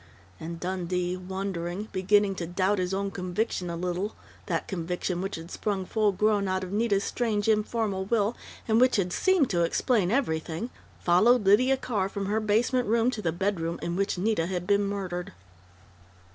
And Dundee, wondering, beginning to doubt his own conviction a little that conviction which had sprung full grown out of Nita's strange, informal will, and which had seemed to explain everything followed Lydia Carr from her basement room to the bedroom in which Nita had been murdered....